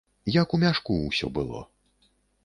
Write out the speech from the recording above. Як у мяшку ўсё было.